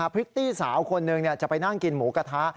พริตตี้สาวคนหนึ่งจะไปนั่งกินหมูกระทะ